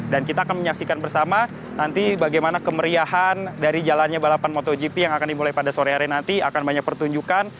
dan kita akan menyaksikan bersama nanti bagaimana kemeriahan dari jalannya balapan motogp yang akan dimulai pada sore hari nanti akan banyak pertunjukan